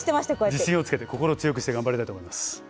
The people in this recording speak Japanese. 自信をつけて心を強くして頑張りたいと思います。